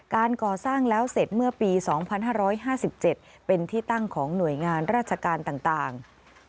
การก่อสร้างแล้วเสร็จเมื่อปี๒๕๕๗เป็นที่ตั้งของหน่วยงานราชการต่าง